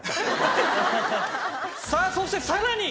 さあそしてさらに！